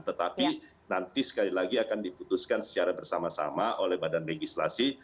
tetapi nanti sekali lagi akan diputuskan secara bersama sama oleh badan legislasi